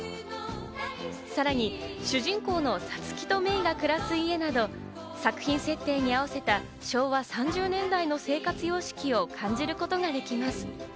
さらに主人公のサツキとメイが暮らす家など、作品設定に合わせた昭和３０年代の生活様式を感じることができます。